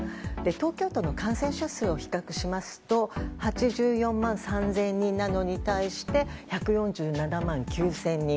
東京都の感染者数を比較すると８４万３０００人なのに対して１４７万９０００人。